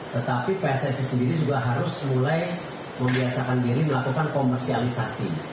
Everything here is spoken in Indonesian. tetapi pssi sendiri juga harus mulai membiasakan diri melakukan komersialisasi